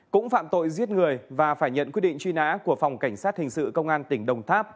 cũng phạm tội giết người và phải nhận quyết định truy nã của phòng cảnh sát hình sự công an tỉnh đồng tháp